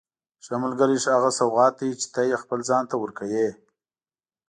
ښه ملګری هغه سوغات دی چې ته یې خپل ځان ته ورکوې.